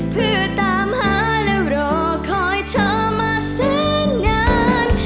เพื่อตามหาแล้วรอคอยเธอมาแสนนาน